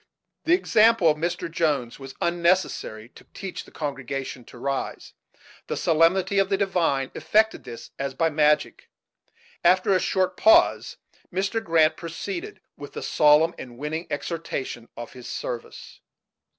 The example of Mr. Jones was unnecessary to teach the congregation to rise; the solemnity of the divine effected this as by magic. After a short pause, Mr. Grant proceeded with the solemn and winning exhortation of his service.